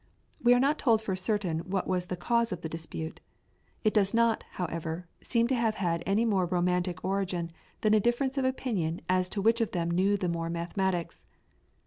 We are not told for certain what was the cause of the dispute. It does not, however, seem to have had any more romantic origin than a difference of opinion as to which of them knew the more mathematics.